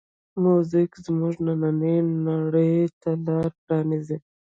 موزیک زمونږ دنننۍ نړۍ ته لاره پرانیزي.